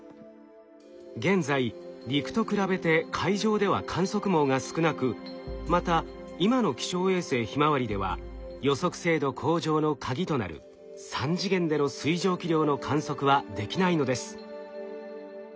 現在陸と比べて海上では観測網が少なくまた今の気象衛星ひまわりでは予測精度向上のカギとなる３次元での水蒸気量の観測はできないのです。